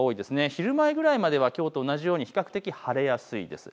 昼前ぐらいまではきょうと同じように比較的晴れやすいです。